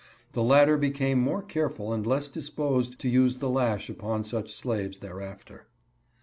The latter be came more careful and less disposed to use the lash upon such slaves thereafter.